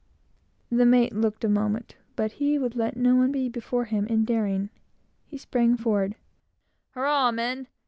The mate looked a moment; but he would let no one be before him in daring. He sprang forward "Hurrah, men!